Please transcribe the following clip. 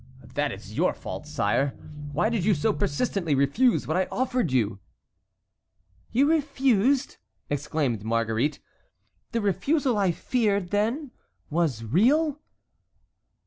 "That is your fault, sire. Why did you so persistently refuse what I offered you?" "You refused!" exclaimed Marguerite. "The refusal I feared, then, was real?"